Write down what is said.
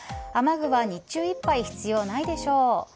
雨具は日中いっぱい必要ないでしょう。